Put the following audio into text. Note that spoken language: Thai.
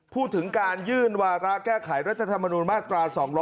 พูดถึงการยื่นวาระแก้ไขรัฐธรรมนุนมาตรา๒๗